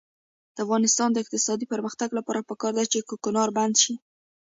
د افغانستان د اقتصادي پرمختګ لپاره پکار ده چې کوکنار بند شي.